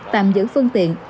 tạm giữ phương tiện